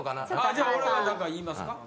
じゃあ俺が何か言いますか？